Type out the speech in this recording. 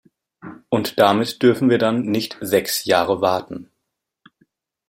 Und damit dürfen wir dann nicht sechs Jahre warten.